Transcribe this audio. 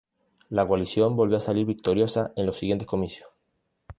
La coalición volvió a salir victoriosa en los siguientes comicios.